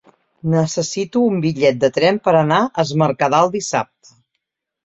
Necessito un bitllet de tren per anar a Es Mercadal dissabte.